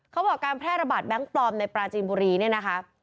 เขาบอกการแพร่ระบาดแบงค์ปลอมในปราจีนบุรีเนี่ยนะคะ